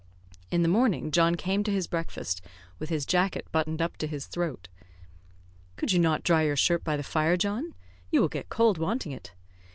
In the morning John came to his breakfast, with his jacket buttoned up to his throat. "Could you not dry your shirt by the fire, John? You will get cold wanting it."